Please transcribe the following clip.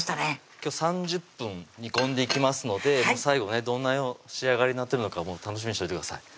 今日３０分煮込んでいきますので最後どんな仕上がりになってるか楽しみにしといてください